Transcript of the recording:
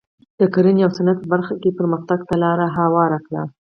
د کرنې او صنعت په برخه کې یې پرمختګ ته لار هواره کړه.